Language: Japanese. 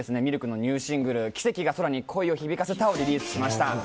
ＬＫの新シングル「奇跡が空に恋を響かせた」をリリースしました。